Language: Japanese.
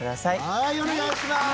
はいお願いします！